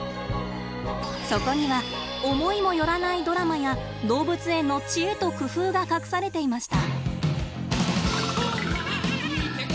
そこには思いも寄らないドラマや動物園の知恵と工夫が隠されていました。